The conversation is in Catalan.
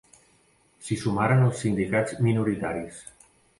S'hi sumaren els sindicats minoritaris.